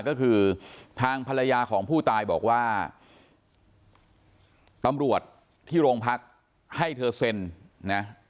ก็คือทางภรรยาของผู้ตายบอกว่าตำรวจที่โรงพักให้เธอเซ็นนะ